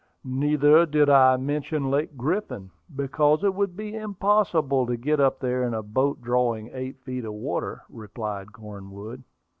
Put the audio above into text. "Neither did I mention Lake Griffin, because it would be impossible to get up there in a boat drawing eight feet of water," replied Cornwood.